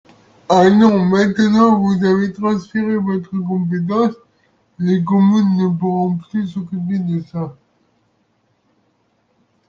Ah non, maintenant vous avez transféré vote compétence, les communes ne pourront plus s’occuper de ça.